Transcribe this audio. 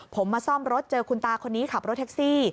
ผมมาซ่อมรถเจอคุณตาคนนี้ขับรถแท็กซี่